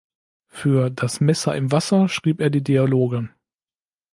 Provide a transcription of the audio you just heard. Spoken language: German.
Für "Das Messer im Wasser" schrieb er die Dialoge.